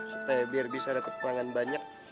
supaya biar bisa deket pelanggan banyak